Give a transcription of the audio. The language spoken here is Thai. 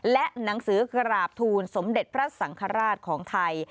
และหนังสือกราบทูลสมเด็จพระสังฆราชของไทย